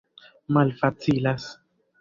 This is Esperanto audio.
malfacilas